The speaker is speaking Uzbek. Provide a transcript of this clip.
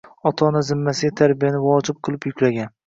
Ota-ona zimmasiga tarbiyani vojib qilib yuklagan